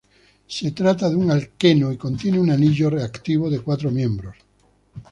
Se trata de un alqueno y contiene un anillo reactivo de cuatro miembros.